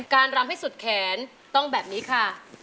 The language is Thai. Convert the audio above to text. รำให้สุดแขนต้องแบบนี้ค่ะ